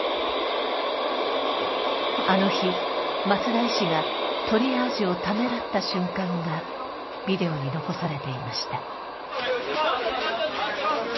あの日松田医師がトリアージをためらった瞬間がビデオに残されていました。